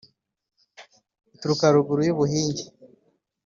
Ituruka haruguru y'ubuhinge,